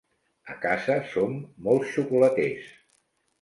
A casa som molt xocolaters.